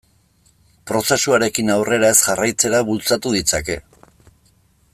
Prozesuarekin aurrera ez jarraitzera bultzatu ditzake.